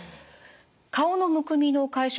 顔のむくみの解消